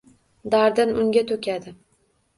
Dardin unga to’kadi.